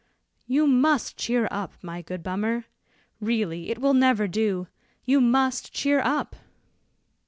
"You must cheer up, my good Bummer; really it will never do; you must cheer up."